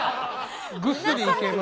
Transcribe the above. ぐっすりいけます。